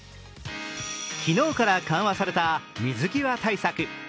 昨日から緩和された水際対策。